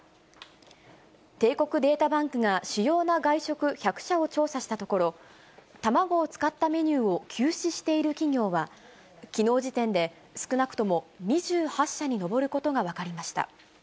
帝国データバンクが主要な外食１００社を調査したところ、卵を使ったメニューを休止している企業は、きのう時点で、少なくとも２８社に上ることが分かりました。